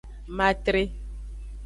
Matre.